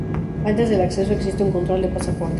Antes del acceso, existe un control de pasaportes.